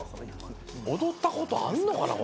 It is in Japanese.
踊ったことあんのかな